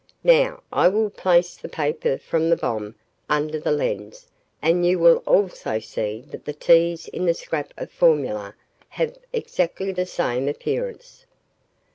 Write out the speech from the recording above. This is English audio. Now I will place the paper from the bomb under the lens and you will also see that the 'T's' in the scrap of formula have exactly the same appearance.